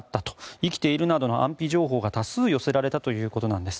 生きているなどの安否情報が多数寄せられたということなんです。